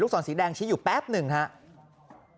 สอนสีแดงชี้อยู่แป๊บหนึ่งครับ